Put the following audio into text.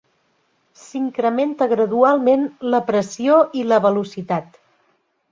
S'incrementa gradualment la pressió i la velocitat.